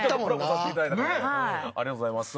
ありがとうございます。